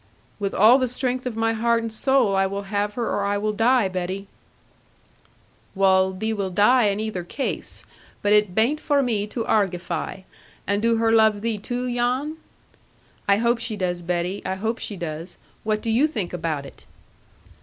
'With all the strength of my heart and soul. I will have her, or I will die, Betty.' 'Wull. Thee will die in either case. But it baint for me to argify. And do her love thee too, Jan?' 'I hope she does, Betty I hope she does. What do you think about it?'